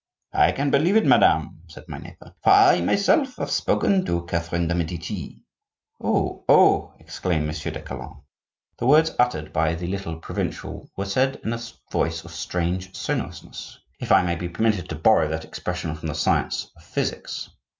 "I can believe it, madame," said my neighbor, "for I myself have spoken to Catherine de' Medici." "Oh! oh!" exclaimed Monsieur de Calonne. The words uttered by the little provincial were said in a voice of strange sonorousness, if I may be permitted to borrow that expression from the science of physics.